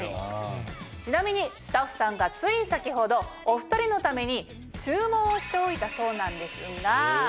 ちなみにスタッフさんがつい先ほどお２人のために注文をしておいたそうなんですが。